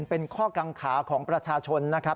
เป็นข้อกังขาของประชาชนนะครับ